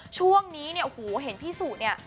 ช่วงนี้เนี่ยโอ้โหเห็นพี่สุเนี่ย